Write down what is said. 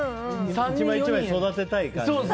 １枚１枚、育てたい感じね。